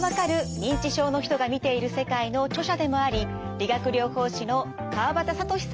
認知症の人が見ている世界」の著者でもあり理学療法士の川畑智さんに伺います。